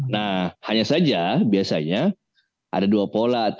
nah hanya saja biasanya ada dua pola